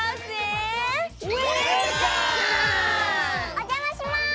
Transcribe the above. おじゃまします！